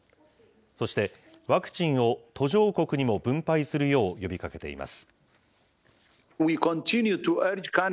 そして、ワクチンを途上国にも分配するよう呼びかけています。